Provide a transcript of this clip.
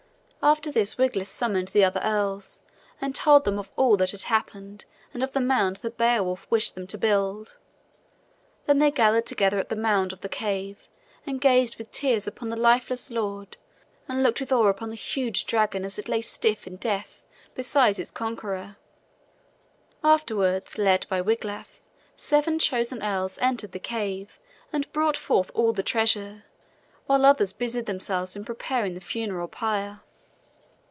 After this Wiglaf summoned the other earls and told them of all that had happened and of the mound that Beowulf wished them to build. Then they gathered together at the mouth of the cave and gazed with tears upon their lifeless lord and looked with awe upon the huge dragon as it lay stiff in death beside its conqueror. Afterwards, led by Wiglaf, seven chosen earls entered the cave and brought forth all the treasure, while others busied themselves in preparing the funeral pyre.